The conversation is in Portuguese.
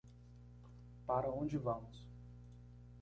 Para onde vamos